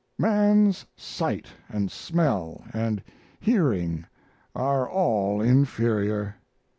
"Man's sight and smell and hearing are all inferior.